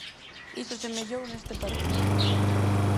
Iso semellou neste partido.